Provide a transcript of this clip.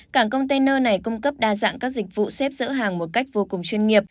cảng container này cung cấp đa dạng các dịch vụ xếp dỡ hàng một cách vô cùng chuyên nghiệp